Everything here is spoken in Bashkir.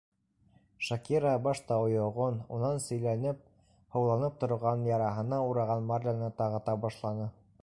Шакира башта ойоғон, унан сейләнеп, һыуланып торған яраһына ураған марляны тағата башланы.